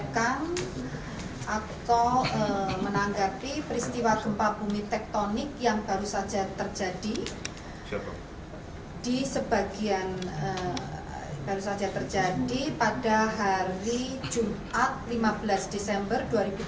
ketika gempa bumi tektonik yang baru saja terjadi pada hari jumat lima belas desember dua ribu tujuh belas